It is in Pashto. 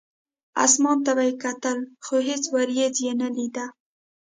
اسمان ته به یې کتل، خو هېڅ ورېځ یې نه لیده.